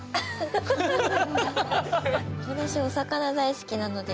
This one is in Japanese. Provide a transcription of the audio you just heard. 私お魚大好きなので。